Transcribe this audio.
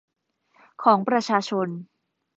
ของประชาชน